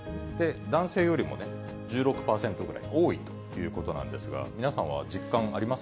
男性よりもね、１６％ぐらい多いということなんですが、皆さんは実感あります？